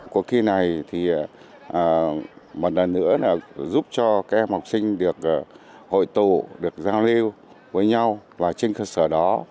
cuộc thi này thì một lần nữa là giúp cho các em học sinh được hội tụ được giao lưu với nhau và trên cơ sở đó